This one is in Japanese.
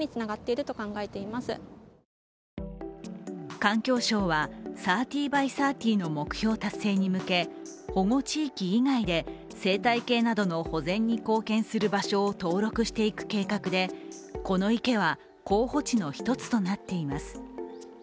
環境省は３０ｂｙ３０の目標達成に向け保護地域以外で生態系などの保全に貢献する場所を登録していく計画でこの池は候補地の一つとなっています。